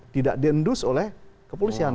tidak diendus oleh kepolisian